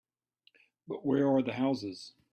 But where are the houses?